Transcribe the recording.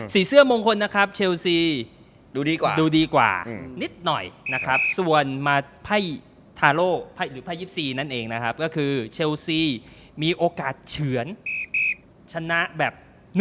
เสื้อมงคลนะครับเชลซีดูดีกว่านิดหน่อยนะครับส่วนมาไพ่ทาโลหรือไพ่๒๔นั่นเองนะครับก็คือเชลซีมีโอกาสเฉือนชนะแบบ๑